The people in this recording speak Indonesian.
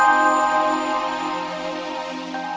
kamu sudah selesai